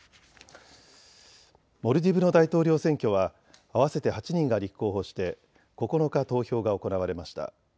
モルディブの大統領選挙は合わせて８人が立候補して９日、投票が行われました。